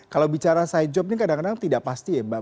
kalau bicara side job ini kadang kadang tidak pasti ya mbak